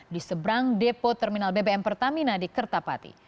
di seberang depo terminal bbm pertamina di kertapati